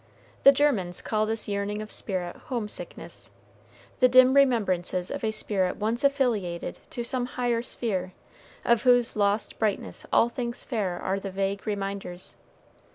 The Germans call this yearning of spirit home sickness the dim remembrances of a spirit once affiliated to some higher sphere, of whose lost brightness all things fair are the vague reminders.